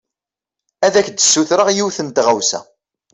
Ad ak-d-sutreɣ yiwen n tɣawsa.